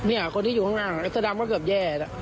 เนี่ยคนที่อยู่ข้างเสื้อดำก็เกือบแย่น่ะ